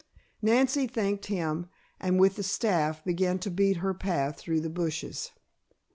Nancy thanked him, and with the staff began to beat her path through the bushes.